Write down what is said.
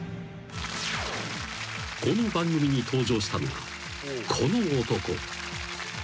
［この番組に登場したのがこの男］